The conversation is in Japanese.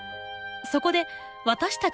そこで私たち